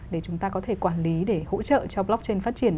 để chúng ta có thể quản lý để hỗ trợ cho blockchain phát triển